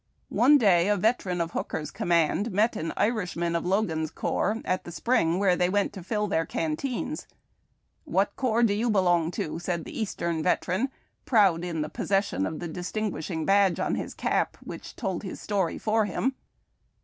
One day a veteran of Hooker's command met an Irishman of Logan's Corps at the spring where they went to fill their canteens. "What corps do you belong to?" said the Eastern veteran, proud in the possession of the dis tinguisliing badge on his cap, which told his story for him.